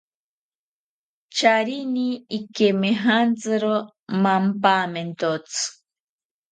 Charini ikemijantziro mampamentotzi